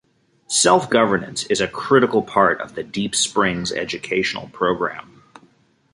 Self-governance is a critical part of the Deep Springs educational program.